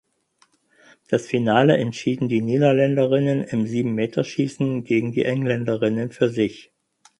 Das Finale entschieden die Niederländerinnen im Siebenmeterschießen gegen die Engländerinnen für sich.